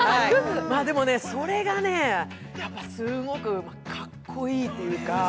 でもね、それがねすごくかっこいいというか。